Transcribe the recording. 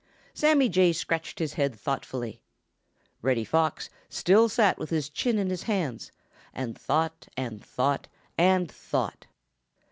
Sammy Jay scratched his head thoughtfully. Reddy Fox still sat with his chin in his hands and thought and thought and thought.